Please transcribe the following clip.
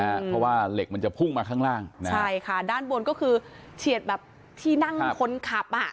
เพราะว่าเหล็กมันจะพุ่งมาข้างล่างนะฮะใช่ค่ะด้านบนก็คือเฉียดแบบที่นั่งคนขับอ่ะ